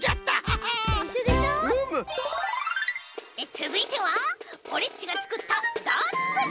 つづいてはオレっちがつくったダーツくじ！